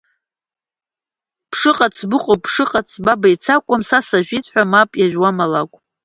Бшыҟац быҟоуп, бшыҟац, ба беицакуам, са сажәит ҳәа, мап, иажәуам алакә…